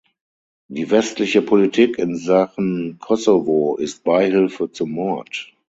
Die westliche Politik in Sachen Kosovo ist Beihilfe zum Mord.